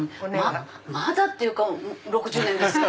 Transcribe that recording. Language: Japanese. まだっていうか６０年ですよ！